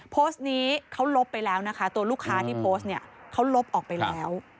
โพสต์นี้เขาลบไปแล้วนะคะตัวลูกค้าที่โพสต์เนี่ยเขาลบออกไปแล้ว